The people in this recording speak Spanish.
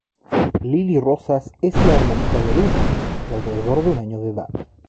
Lily Rosas es la hermanita de Luna, de alrededor de un año de edad.